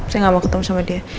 saya nggak mau ketemu sama dia